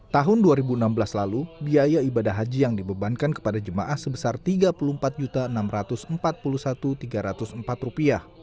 tahun dua ribu enam belas lalu biaya ibadah haji yang dibebankan kepada jemaah sebesar rp tiga puluh empat enam ratus empat puluh satu tiga ratus empat